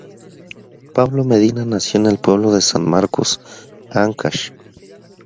Pablo Medina nació en el pueblo de San Marcos, Áncash.